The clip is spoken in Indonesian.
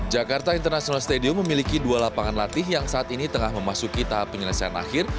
jakarta international stadium memiliki dua lapangan latih yang saat ini tengah memasuki tahap penyelesaian akhir